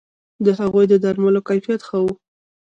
د هغوی د درملو کیفیت ښه وو